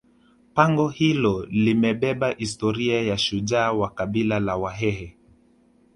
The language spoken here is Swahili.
pango hilo limebeba historia ya shujaa wa kabila la wahehe